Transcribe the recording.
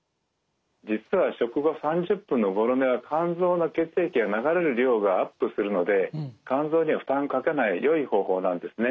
実は食後３０分のごろ寝は肝臓の血液が流れる量がアップするので肝臓には負担をかけないよい方法なんですね。